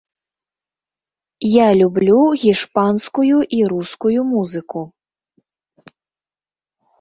Я люблю гішпанскую і рускую музыку.